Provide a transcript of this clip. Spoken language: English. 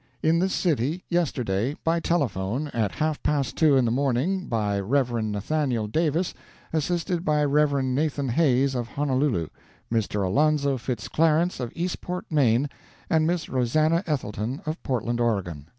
In this city, yesterday, by telephone, at half past two in the morning, by Rev. Nathaniel Davis, assisted by Rev. Nathan Hays, of Honolulu, Mr. Alonzo Fitz Clarence, of Eastport, Maine, and Miss Rosannah Ethelton, of Portland, Oregon.